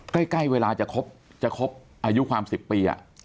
ใกล้เวลาจะครบอายุความ๑๐ปี